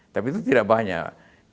tapi itu tidak banyak